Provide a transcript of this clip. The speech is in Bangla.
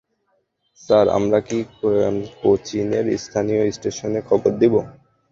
স্যার, আমরা কি কোচিনের স্থানীয় স্টেশনে খবর দিব?